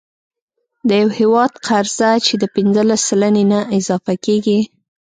د یو هیواد قرضه چې د پنځلس سلنې نه اضافه کیږي،